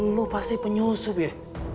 lu pasti penyusup ya